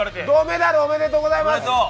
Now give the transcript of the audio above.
銅メダルおめでとうございます。